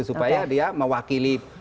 supaya dia mewakili